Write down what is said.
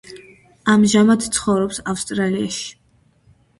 ამჟამად ცხოვრობს ავსტრალიაში.